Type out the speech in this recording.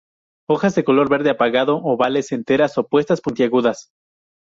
Hojas de color verde apagado, ovales, enteras, opuestas, puntiagudas.